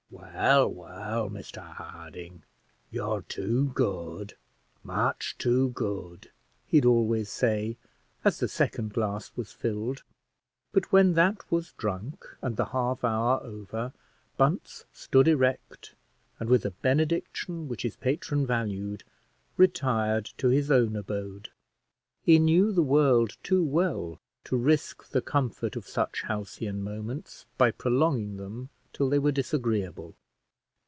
"Well, well, Mr Harding; you're too good, much too good," he'd always say, as the second glass was filled; but when that was drunk, and the half hour over, Bunce stood erect, and with a benediction which his patron valued, retired to his own abode. He knew the world too well to risk the comfort of such halcyon moments, by prolonging them till they were disagreeable.